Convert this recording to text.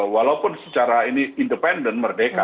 walaupun secara ini independen merdeka